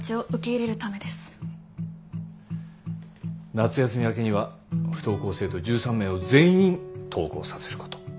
夏休み明けには不登校生徒１３名を全員登校させること。